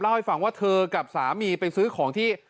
เล่าให้ฟังว่าเธอกับสามีไปซื้อของที่